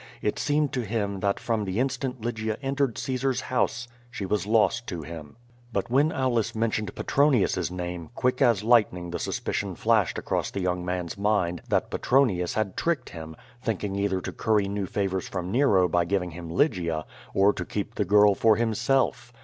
It seemed to him that from the instant Lygia entered Caesar^s house she was lost to him. But when Aulus men tioned Petronius's name, quick as lightning the suspicion flashed across the young man's mind that Petronius had tricked him, thinking either to curry new favors from Nero by giving him Lygia, or to keep the girl for himself.